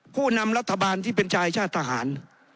ผู้นำรัฐบาลที่เป็นชายชาติทหาร